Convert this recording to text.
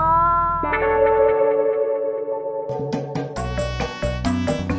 ntar masuk angin lho